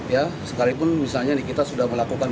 ya sekalipun misalnya kita sudah melakukan